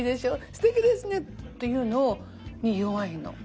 すてきですね！」っていうのに弱いの。